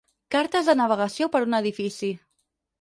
Cartes de navegació per un edifici.